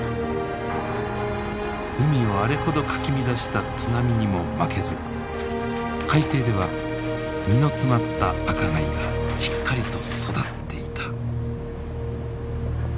海をあれほどかき乱した津波にも負けず海底では身の詰まった赤貝がしっかりと育っていた。